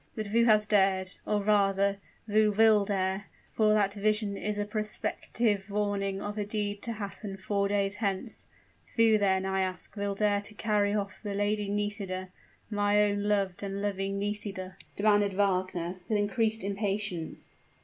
"But who has dared or rather, who will dare for that vision is a prospective warning of a deed to happen four days hence who, then, I ask, will dare to carry off the Lady Nisida my own loved and loving Nisida?" demanded Wagner, with increased impatience.